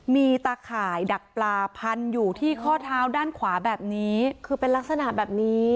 มีตาข่ายดักปลาพันอยู่ที่ข้อเท้าด้านขวาแบบนี้คือเป็นลักษณะแบบนี้